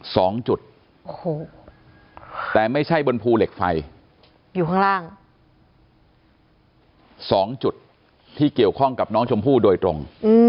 สองจุดโอ้โหแต่ไม่ใช่บนภูเหล็กไฟอยู่ข้างล่างสองจุดที่เกี่ยวข้องกับน้องชมพู่โดยตรง